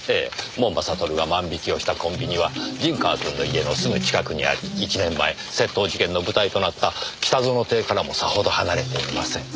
門馬悟が万引きをしたコンビニは陣川くんの家のすぐ近くにあり１年前窃盗事件の舞台となった北薗邸からもさほど離れていません。